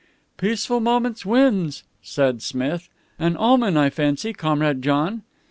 "Peaceful Moments wins," said Smith. "An omen, I fancy, Comrade John."